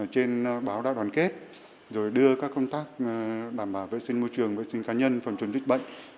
trên báo đại đoàn kết rồi đưa các công tác đảm bảo vệ sinh môi trường vệ sinh cá nhân phòng chống dịch bệnh